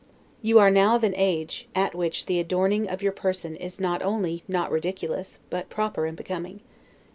You are now of an age, at which the adorning your person is not only not ridiculous, but proper and becoming.